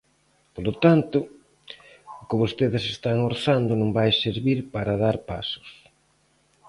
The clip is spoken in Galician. Polo tanto, o que vostedes están orzando non vai servir para dar pasos.